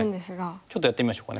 ちょっとやってみましょうかね。